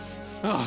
ああ！